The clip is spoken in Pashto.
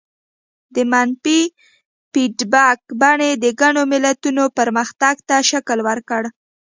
د منفي فیډبک بڼې د ګڼو ملتونو پرمختګ ته شکل ورکړ.